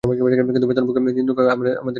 কিন্তু বেতনভুক নিন্দুক হওয়া আমার জীবনের লক্ষ্য নয়।